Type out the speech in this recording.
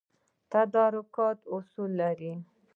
تدارکات اصول لري